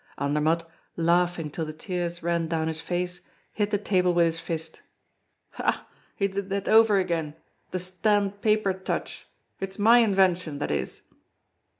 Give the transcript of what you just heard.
Andermatt, laughing till the tears ran down his face, hit the table with his fist: "Ha! he did that over again, the stamped paper touch! It's my invention, that is!"